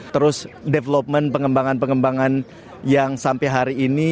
terus development pengembangan pengembangan yang sampai hari ini